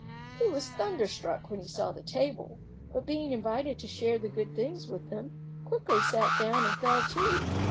He was thunderstruck when he saw the table, but, being invited to share the good things with them, quickly sat down and fell to.